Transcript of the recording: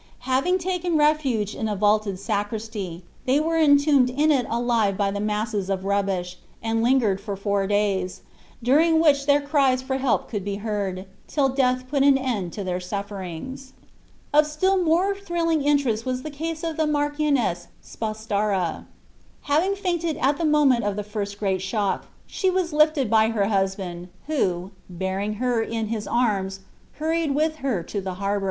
Having taken refuge in a vaulted sacristy, they were entombed in it alive by the masses of rubbish, and lingered for four days, during which their cries for help could be heard, till death put an end to their sufferings. Of still more thrilling interest was the case of the Marchioness Spastara. Having fainted at the moment of the first great shock, she was lifted by her husband, who, bearing her in his arms, hurried with her to the harbor.